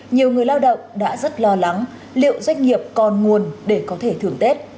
nhiều người lao động đã rất lo lắng liệu doanh nghiệp còn nguồn để có thể thưởng tết